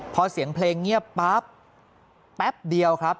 พอเสียงเพลงเงียบปั๊บแป๊บเดียวครับ